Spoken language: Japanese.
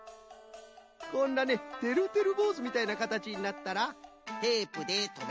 こんなねてるてるぼうずみたいなかたちになったらテープでとめる。